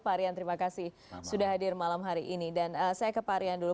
parian terima kasih sudah hadir malam hari ini dan saya ke parian dulu